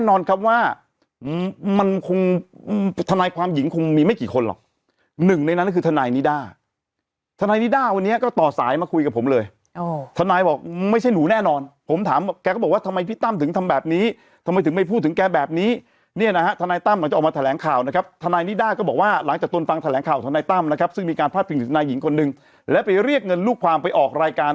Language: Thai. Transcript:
ออกสายมาคุยกับผมเลยโอ้ทนายบอกไม่ใช่หนูแน่นอนผมถามแกก็บอกว่าทำไมพี่ตั้งถึงทำแบบนี้ทำไมถึงไม่พูดถึงแกแบบนี้เนี้ยนะฮะทนายตั้งก็จะออกมาแถลงข่าวนะครับทนายนิด้าก็บอกว่าหลังจากต้นฟังแถลงข่าวทนายตั้งนะครับซึ่งมีการพลาดพิงถึงทนายหญิงคนหนึ่งแล้วไปเรียกเงินลูกความไปออกรายการ